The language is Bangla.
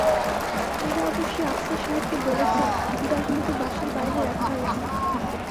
মীরা অবশ্যি আফসার সাহেবকে বলেছেন-বিড়ালগুলিকে বাসার বাইরে রাখা হয়েছে।